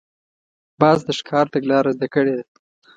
باز د ښکار تګلاره زده کړې ده